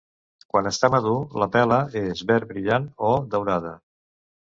Quan està madur la pela és verd brillant o daurada.